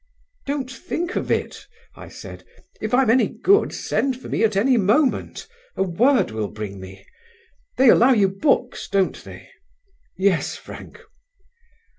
"Don't think of it," I said; "if I'm any good send for me at any moment: a word will bring me. They allow you books, don't they?" "Yes, Frank."